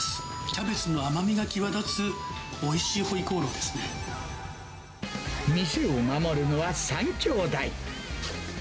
キャベツの甘みが際立つ、おいし店を守るのは３きょうだい。